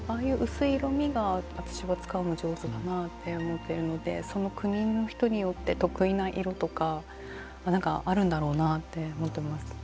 薄い色味が私は使うの上手だなって思っているのでその国の人によって得意な色とかあるんだろうなって思ってます。